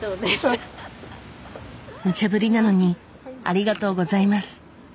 無茶ぶりなのにありがとうございます。